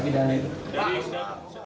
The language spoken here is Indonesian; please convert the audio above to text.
keberangkatan ribuan calon jemaah umroh